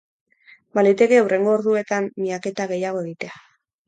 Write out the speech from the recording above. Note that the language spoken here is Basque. Baliteke hurrengo orduetan miaketa gehiago egitea.